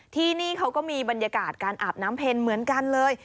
ที่นี่เขาก็มีบรรยากาศการอาบน้ำเพ็ญเหมือนกันเลย